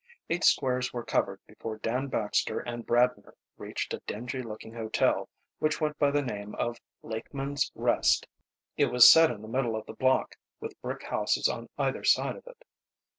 Eight squares were covered before Dan Baxter and Bradner reached a dingy looking hotel which went by the name of Lakeman's Rest. It was set in the middle of the block, with brick houses on either side of it.